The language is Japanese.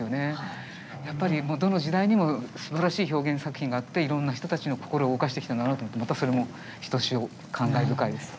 やっぱりどの時代にもすばらしい表現作品があっていろんな人たちの心を動かしてきたんだなと思ってまたそれもひとしお感慨深いです。